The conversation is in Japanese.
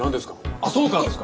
「あほうかい」ですか？